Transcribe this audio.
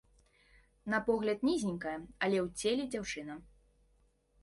На погляд нізенькая, але ў целе дзяўчына.